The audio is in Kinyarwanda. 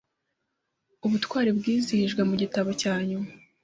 Ubutwari bwizihijwe mu gitabo cya nyuma